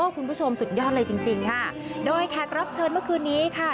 คุณผู้ชมสุดยอดเลยจริงจริงค่ะโดยแขกรับเชิญเมื่อคืนนี้ค่ะ